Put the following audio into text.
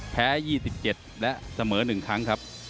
แพ้๒๗และเสมอ๑ครั้งครับ